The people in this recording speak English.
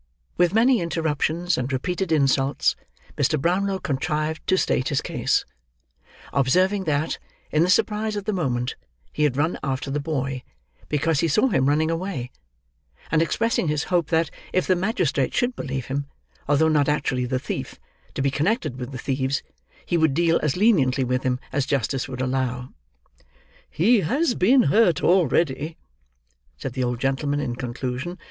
With many interruptions, and repeated insults, Mr. Brownlow contrived to state his case; observing that, in the surprise of the moment, he had run after the boy because he had saw him running away; and expressing his hope that, if the magistrate should believe him, although not actually the thief, to be connected with the thieves, he would deal as leniently with him as justice would allow. "He has been hurt already," said the old gentleman in conclusion.